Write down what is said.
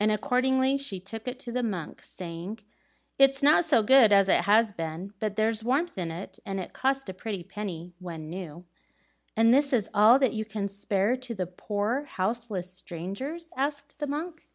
And accordingly she took it to the monk, saying, "It's not so good as it has been, but there's warmth in it yet, and it cost a pretty penny when new." "And is this all that you can spare to the poor houseless strangers?" asked the monk.